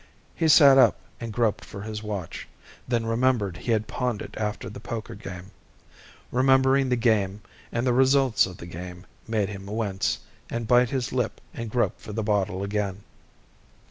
He sat up and groped for his watch, then remembered he had pawned it after the poker game. Remembering the game and the results of the game made him wince and bite his lip and grope for the bottle again.